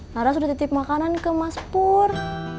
karena sudah titip makanan ke mas pur